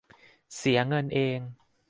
เสียเงินเอง